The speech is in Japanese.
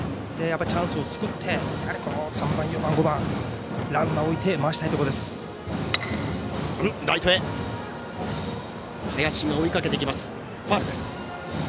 チャンスを作って３番、４番、５番へランナーを置いて回したいところです。